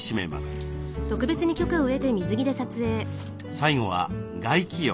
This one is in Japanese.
最後は外気浴。